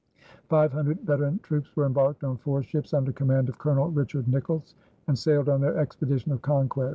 Five hundred veteran troops were embarked on four ships, under command of Colonel Richard Nicolls, and sailed on their expedition of conquest.